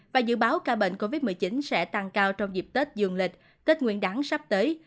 và dự báo ca bệnh covid một mươi chín sẽ tăng cao trong dịp tết dương lịch tết nguyên đáng sắp tới